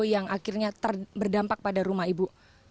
yang akhirnya berdampak pada rumah ibu